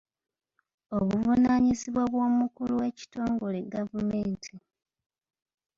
Obuvunaanyizibwa bw'omukulu w'ekitongole gavumenti.